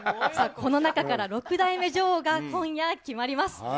この中から６代目女王が今夜決まります。